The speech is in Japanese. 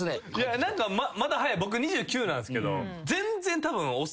まだ早い僕２９なんすけど。